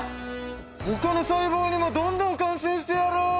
ほかの細胞にもどんどん感染してやろう。